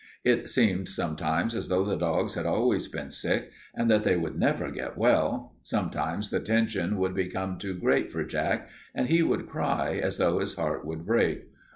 It seemed sometimes as though the dogs had always been sick and that they would never get well. Sometimes the tension would become too great for Jack and he would cry as though his heart would break.